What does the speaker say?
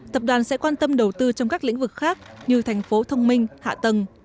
tập đoàn sẽ quan tâm đầu tư trong các lĩnh vực khác như thành phố thông minh hạ tầng